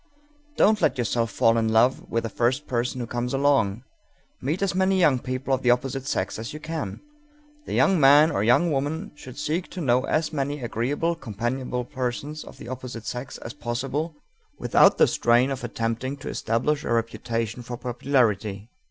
Don't let yourself fall in love with the first person who comes along; meet as many young people of the opposite sex as you can._ The young man or young woman should seek to know as many agreeable, companionable persons of the opposite sex as possible without the strain of attempting to establish a reputation for popularity.